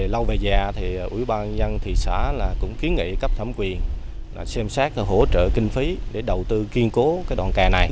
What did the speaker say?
lâu về già thì ủy ban dân thị xã cũng kiến nghị cấp thẩm quyền xem xét hỗ trợ kinh phí để đầu tư kiên cố đoạn kè này